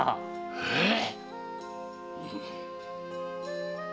えっ？